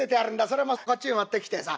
それもこっちに持ってきてさ。